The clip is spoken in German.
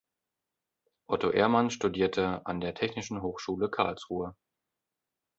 Otto Ehrmann studierte an der Technischen Hochschule Karlsruhe.